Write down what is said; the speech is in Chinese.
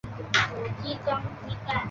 属袁州路。